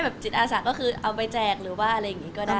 จิตอาสาก็คือเอาไปแจกหรือว่าอะไรอย่างนี้ก็ได้